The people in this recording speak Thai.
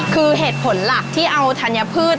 คือเหตุผลหลักที่เอาธัญพืช